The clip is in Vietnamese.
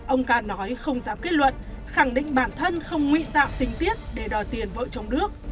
ông ca nói không dám kết luận khẳng định bản thân không ngụy tạo tình tiết để đòi tiền vợ chồng đức